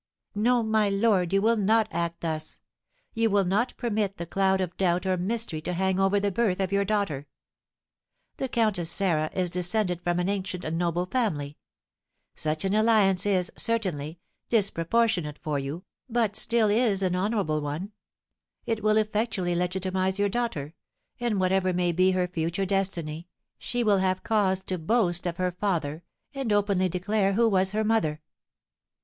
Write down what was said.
"No, my lord, you will not act thus! You will not permit the cloud of doubt or mystery to hang over the birth of your daughter. The Countess Sarah is descended from an ancient and noble family; such an alliance is, certainly, disproportionate for you, but still is an honourable one; it will effectually legitimise your daughter, and whatever may be her future destiny, she will have cause to boast of her father, and openly declare who was her mother."